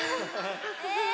え。